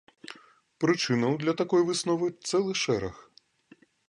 Прычынаў для такой высновы цэлы шэраг.